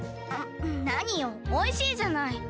なによおいしいじゃない。